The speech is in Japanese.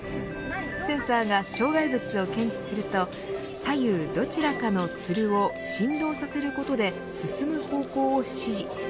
センサーが障害物を検知すると左右どちらかのつるを振動させることで進む方向を指示。